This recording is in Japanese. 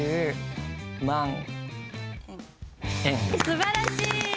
すばらしい！